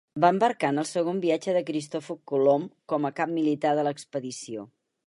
Va embarcar en el segon viatge de Cristòfor Colom com a cap militar de l'expedició.